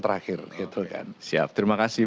terakhir gitu kan siap terima kasih